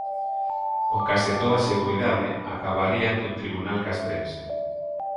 Con case toda seguridade, acabaría ante un tribunal castrense.